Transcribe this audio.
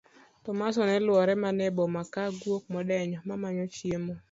Tomaso ne luorore mana e boma ka guok modenyo mamanyo chiemo.